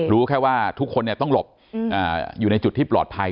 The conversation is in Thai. รู้แค่ว่าทุกคนต้องหลบอยู่ในจุดที่ปลอดภัย